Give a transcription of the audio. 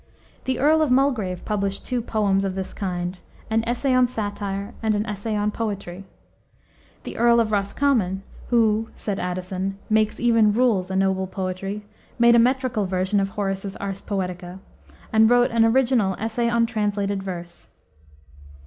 The Earl of Mulgrave published two "poems" of this kind, an Essay on Satire, and an Essay on Poetry. The Earl of Roscommon who, said Addison, "makes even rules a noble poetry" made a metrical version of Horace's Ars Poetica, and wrote an original Essay on Translated Verse.